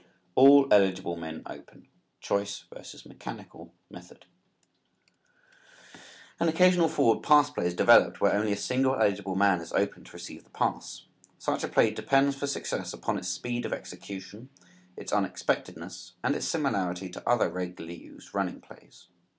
ALL ELIGIBLE MEN OPEN "CHOICE" VS. "MECHANICAL" METHOD. An occasional forward pass play is developed where only a single eligible man is open to receive the pass. Such a play depends for success upon its speed of execution, its unexpectedness and its similarity to other regularly used running plays.